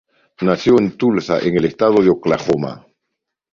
Nació en Tulsa, en el estado de Oklahoma.